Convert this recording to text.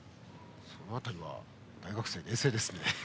その辺り、大学生冷静ですね。